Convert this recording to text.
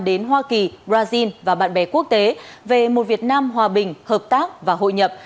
đến hoa kỳ brazil và bạn bè quốc tế về một việt nam hòa bình hợp tác và hội nhập